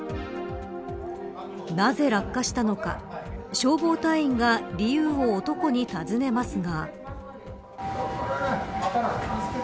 なぜ落下したのか消防隊員が理由を男に尋ねますが。